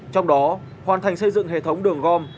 trong đó hoàn thành xây dựng hệ thống đường gom